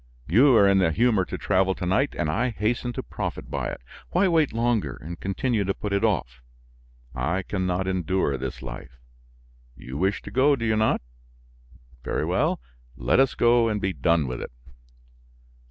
You are in the humor to travel to night and I hasten to profit by it. Why wait longer and continue to put it off? I can not endure this life. You wish to go, do you not? Very well, let us go and be done with it."